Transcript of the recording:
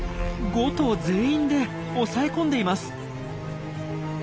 ５頭全員で押さえ込んでいます。